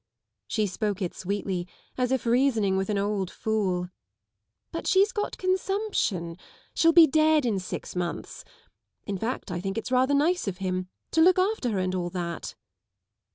She spoke it sweetly, as if reasoning with an old fool. " But she's got consumption. She'll be dead in six months. In fact, I think it's rather nice of Mm. To look after her and all that."